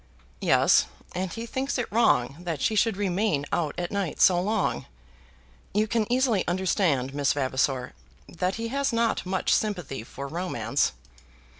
"Yes; and he thinks it wrong that she should remain out at night so long. You can easily understand, Miss Vavasor, that he has not much sympathy for romance."